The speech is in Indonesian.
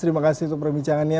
terima kasih untuk perbincangannya